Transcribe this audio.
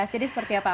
jadi seperti apa